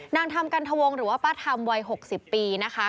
นางทำกันทวงหรือว่าป้าธรรมวัย๖๐ปีนะคะ